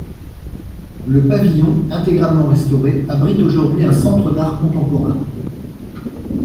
Le Pavillon, intégralement restauré, abrite aujourd'hui un centre d'art contemporain.